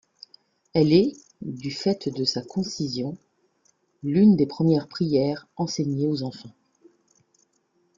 Elle est, du fait de sa concision, l'une des premières prières enseignées aux enfants.